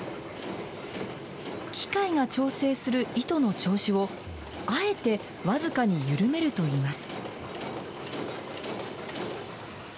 機械が調整する糸の調子を、あえて僅かに緩めるといいます。